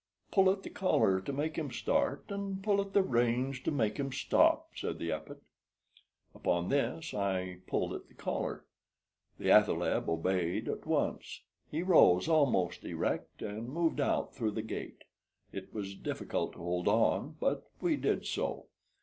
"Pull at the collar to make him start, and pull at both reins to make him stop," said the Epet. Upon this I pulled at the collar. The athaleb obeyed at once. He rose almost erect, and moved out through the gate. It was difficult to hold on, but we did so.